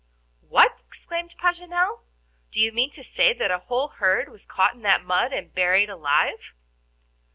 "What!" exclaimed Paganel; "do you mean to say that a whole herd was caught in that mud and buried alive?"